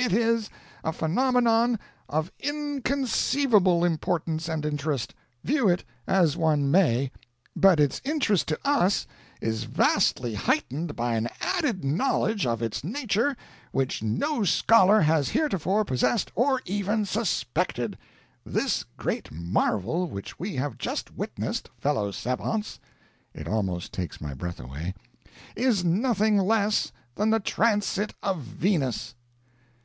It is a phenomenon of inconceivable importance and interest, view it as one may, but its interest to us is vastly heightened by an added knowledge of its nature which no scholar has heretofore possessed or even suspected. This great marvel which we have just witnessed, fellow savants (it almost takes my breath away), is nothing less than the transit of Venus!"